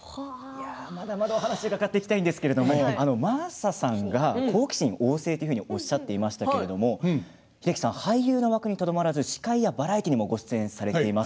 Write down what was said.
まだまだ話を伺いたいんですが、真麻さん好奇心旺盛とおっしゃっていましたが英樹さん、俳優の枠にとどまらず司会やバラエティーにも挑戦されています。